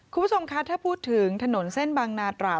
คุณผู้ชมคะถ้าพูดถึงถนนเส้นบางนาตรา